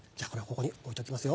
ここに置いときますよ。